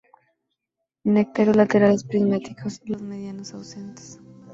Nectarios laterales prismáticos; los medianos ausentes.